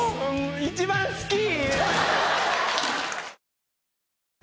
一番好き！